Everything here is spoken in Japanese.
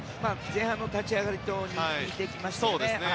前半の立ち上がりと似てきましたね。